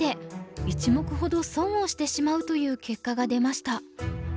１目ほど損をしてしまうという結果が出ました。